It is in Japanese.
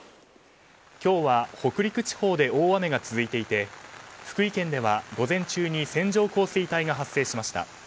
今日は北陸地方で大雨が続いていて福井県では、午前中に線状降水帯が発生しました。